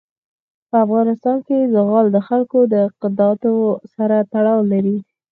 په افغانستان کې زغال د خلکو د اعتقاداتو سره تړاو لري.